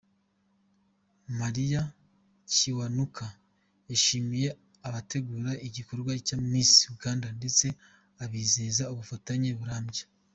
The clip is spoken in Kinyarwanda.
Maria Kiwanuka yashimiye abategura igikorwa cya Miss Uganda ndetse abizeza ubufatanye burambye.